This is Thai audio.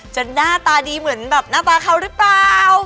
หน้าตาดีเหมือนแบบหน้าตาเขาหรือเปล่า